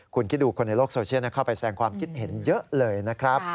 คุณคิดดูคนในโลกโซเชียลเข้าไปแสงความคิดเห็นเยอะเลยนะครับ